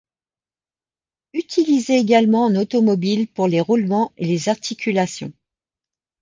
Utilisée également en automobile pour les roulements et les articulations.